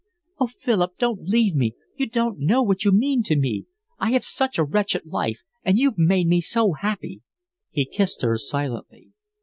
"Oh, Philip, don't leave me. You don't know what you mean to me. I have such a wretched life, and you've made me so happy." He kissed her silently.